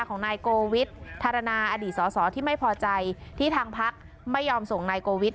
ของนายโกวิทธารณาอดีตสอสอที่ไม่พอใจที่ทางพักไม่ยอมส่งนายโกวิท